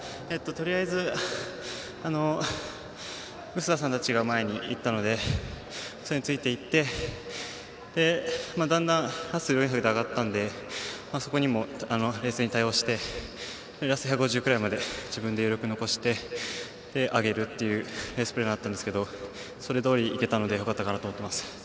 とりあえず薄田さんたちが前にいったのでそれについていってだんだん、ペースが上がったのでそこにも冷静に対応してラスト１５０くらいまで自分で余力残して、上げるっていうレースプランがあったんですけどそれどおりいけたのでよかったと思います。